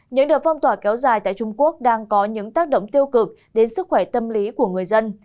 những đợt phong tỏa kéo dài tại trung quốc đang có những tác động tiêu cực đến sức khỏe tâm lý của người dân